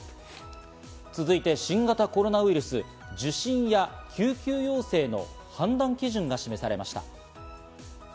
続いて新型コロナウイルス、受診や救急要請の判断基準が示されました。